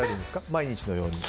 毎日のように。